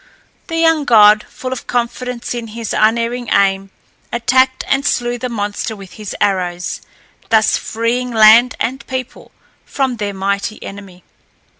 The young god, full of confidence in his unerring aim, attacked and slew the monster with his arrows, thus freeing land and people from their mighty enemy.